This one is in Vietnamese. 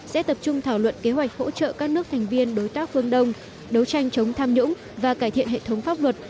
sẽ tập trung thảo luận kế hoạch hỗ trợ các nước thành viên đối tác phương đông đấu tranh chống tham nhũng và cải thiện hệ thống pháp luật